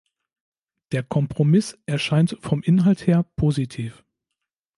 Der Kompromiss erscheint vom Inhalt her positiv.